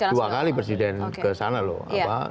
dua kali presiden ke sana loh